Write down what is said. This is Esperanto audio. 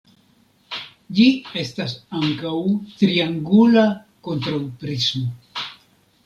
Ĝi estas ankaŭ triangula kontraŭprismo.